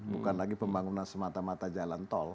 bukan lagi pembangunan semata mata jalan tol